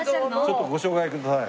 ちょっとご紹介ください。